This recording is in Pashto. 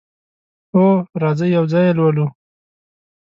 هو، راځئ یو ځای یی لولو